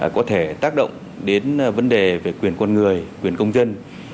có thể tác động đến vấn đề về quyền con người quyền công dân